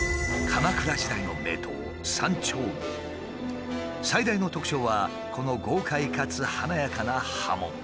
鎌倉時代の名刀最大の特徴はこの豪快かつ華やかな刃文。